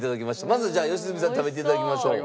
まずじゃあ良純さん食べて頂きましょう。